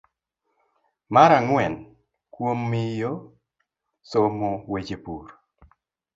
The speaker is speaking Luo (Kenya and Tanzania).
Mar ang'wen, kuom miyo somo weche pur